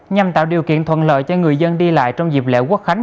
nhằm tạo điều kiện thuận lợi cho người dân đi lại trong dịp lễ quốc khánh